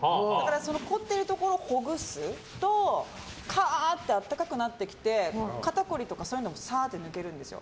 その凝っているところをほぐすとカーって温かくなってきて肩凝りとか、そういうのもさーっと抜けるんですよ。